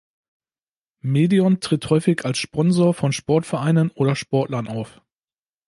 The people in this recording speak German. Medion tritt häufig als Sponsor von Sportvereinen oder Sportlern auf.